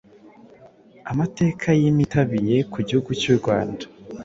Amateka y’impitabie ku gihugu cy’u Rwanda,